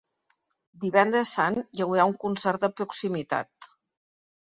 Divendres Sant, hi haurà un concert de proximitat.